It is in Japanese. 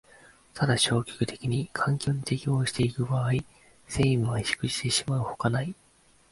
ただ消極的に環境に適応してゆく場合、生命は萎縮してしまうのほかない。